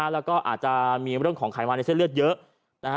แล้วก็อาจจะมีเรื่องของขายมาในเส้นเลือดเยอะ